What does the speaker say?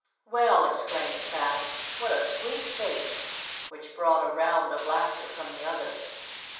"Well," exclaimed Fat, "what a sweet face!" which brought a round of laughter from the others.